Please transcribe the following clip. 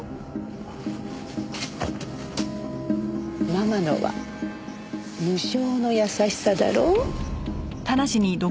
ママのは無償の優しさだろ？